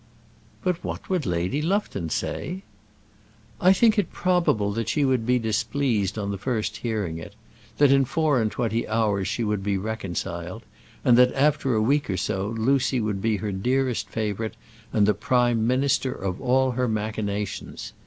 "But what would Lady Lufton say?" "I think it probable that she would be displeased on the first hearing it; that in four and twenty hours she would be reconciled; and that after a week or so Lucy would be her dearest favourite and the prime minister of all her machinations.